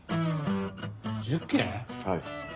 はい。